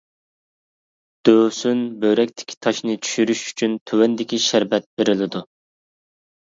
دوۋسۇن، بۆرەكتىكى تاشنى چۈشۈرۈش ئۈچۈن تۆۋەندىكى شەربەت بېرىلىدۇ.